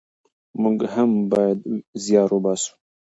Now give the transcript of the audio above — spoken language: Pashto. موږ هم بايد زيار وباسو.